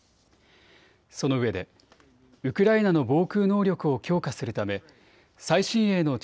そのうえでウクライナの防空能力を強化するため最新鋭の地